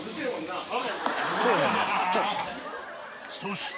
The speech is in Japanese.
そして。